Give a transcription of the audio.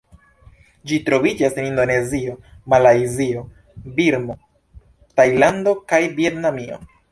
Ĝi troviĝas en Indonezio, Malajzio, Birmo, Tajlando kaj Vjetnamio.